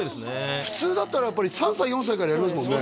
普通だったらやっぱり３歳４歳からやりますもんね